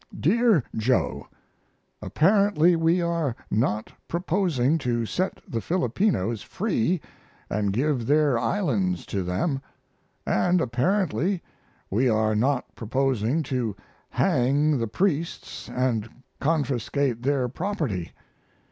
DEAR JOE, Apparently we are not proposing to set the Filipinos free & give their islands to them; & apparently we are not proposing to hang the priests & confiscate their property.